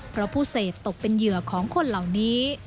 เพราะผู้เสพตกเป็นเหยื่อของคนเหล่านี้